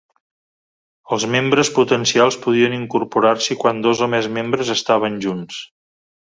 Els membres potencials podien incorporar-s'hi quan dos o més membres estaven junts.